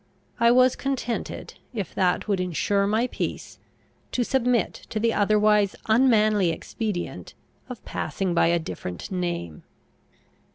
I was contented, if that would insure my peace, to submit to the otherwise unmanly expedient of passing by a different name.